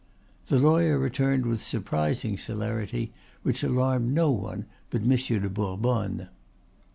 The lawyer returned with surprising celerity, which alarmed no one but Monsieur de Bourbonne.